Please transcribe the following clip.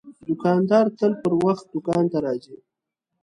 دوکاندار تل پر وخت دوکان ته راځي.